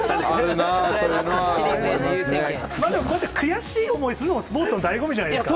こうやって悔しい思いをするのが、スポーツのだいご味じゃないですか。